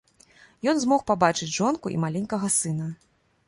Ён змог пабачыць жонку і маленькага сына.